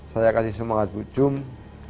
saya kasih semangat bu jum